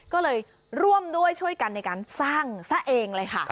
ก็เลยร่วมด้วยช่วยกันในการสร้างซะเองเลยค่ะ